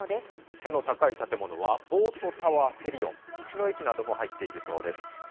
背の高い建物はポートタワーセリオ、道の駅なども入っているそうです。